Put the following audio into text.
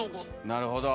なるほど。